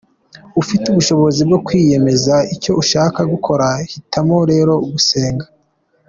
Ufite ubushobozi bwo kwiyemeza icyo ushaka gukora, hitamo rero gusenga.